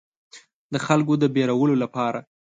د خلکو د ویرولو لپاره.